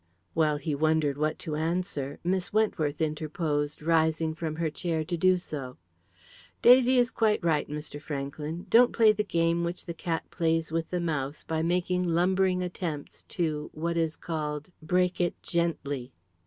While he wondered what to answer, Miss Wentworth interposed, rising from her chair to do so. "Daisy is quite right, Mr. Franklyn. Don't play the game which the cat plays with the mouse by making lumbering attempts to, what is called, break it gently.